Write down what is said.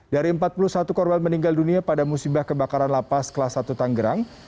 dari empat puluh satu korban meninggal dunia pada musibah kebakaran lapas kelas satu tanggerang